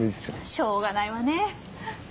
しょうがないわね。